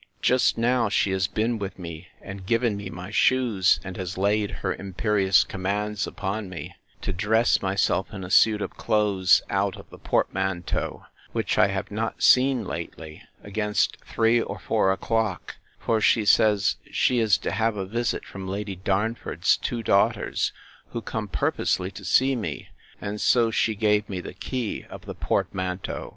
Just now she has been with me, and given me my shoes, and has laid her imperious commands upon me, to dress myself in a suit of clothes out of the portmanteau, which I have not seen lately, against three or four o'clock; for she says, she is to have a visit from Lady Darnford's two daughters, who come purposely to see me; and so she gave me the key of the portmanteau.